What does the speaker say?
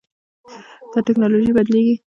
دا ټکنالوژي بدلېږي.